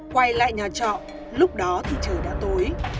quay lại nhà trọ lúc đó thì trời đã tối